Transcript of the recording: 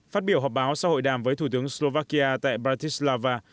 phát biểu họp báo sau hội đàm với thủ tướng slovakia tại bartislava